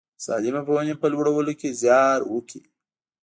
د سالمې پوهنې په لوړولو کې زیار وکړي.